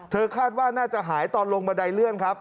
คาดว่าน่าจะหายตอนลงบันไดเลื่อนครับ